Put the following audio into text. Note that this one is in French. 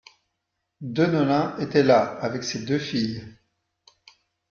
Deneulin était là, avec ses deux filles.